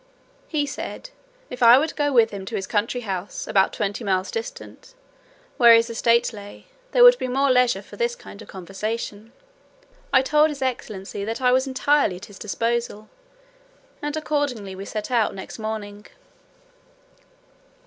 He said, "if I would go with him to his country house, about twenty miles distant, where his estate lay, there would be more leisure for this kind of conversation." I told his excellency "that I was entirely at his disposal;" and accordingly we set out next morning.